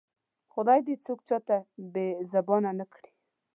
خدای دې څوک چاته بې زبانه نه کړي